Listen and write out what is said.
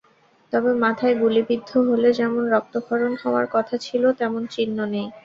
তবে মাথায় গুলিবিদ্ধ হলে যেমন রক্তক্ষরণ হওয়ার কথা ছিল, তেমন চিহ্ন নেই।